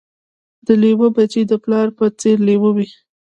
د لېوه بچی د پلار په څېر لېوه وي